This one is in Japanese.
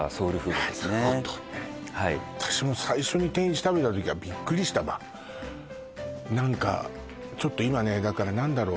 なるほどねはい私も最初に天一食べた時はビックリしたわ何かちょっと今ねだから何だろう